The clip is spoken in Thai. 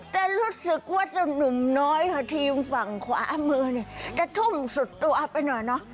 แต่รู้สึกว่าจะหนึ่งน้อยทีมฝั่งขวามือจะทุ่มสุดตัวไปหน่อย